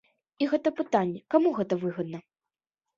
І гэта пытанне, каму гэта выгадна.